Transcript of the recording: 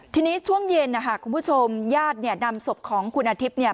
ทีนี้ช่วงเย็นคุณผู้ชมญาตินี่นำศพของกุญอธิปนี่